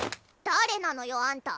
誰なのよあんた。